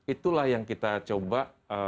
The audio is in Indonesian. itulah yang kita coba